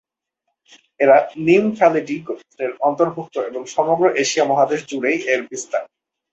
এরা ‘নিমফ্যালিডি’ গোত্রের অন্তর্ভুক্ত এবং সমগ্র এশিয়া মহাদেশ জুড়েই এর বিস্তার।